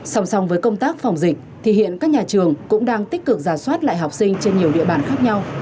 sòng sòng với công tác phòng dịch thì hiện các nhà trường cũng đang tích cực giả soát lại học sinh trên nhiều địa bản khác nhau